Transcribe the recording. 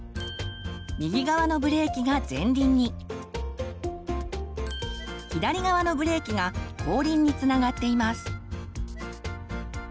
右側のブレーキが前輪に左側のブレーキが後輪につながっています。